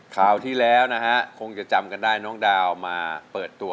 ข่าวที่แล้วนะฮะคงจะจำกันได้น้องดาวมาเปิดตัว